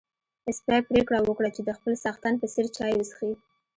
سپی پرېکړه وکړه چې د خپل څښتن په څېر چای وڅښي.